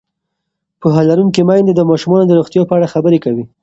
پوهه لرونکې میندې د ماشومانو د روغتیا په اړه خبرې کوي.